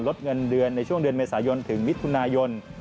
ลดเงินเดือนในช่วงเดือนเมษายนถึงมิถุนายน